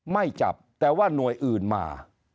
ไม่จับแต่ว่าหน่วยอื่นมา